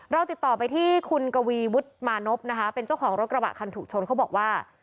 เราติดต่อไปที่คุณกวีวุฒิมานพนะคะเป็นเจ้าของรถกระบะคันถูกชนเขาบอกว่า